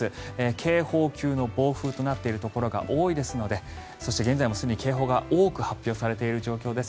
警報級の暴風となっているところが多いですのでそして現在もすでに警報が多く発表されている状況です。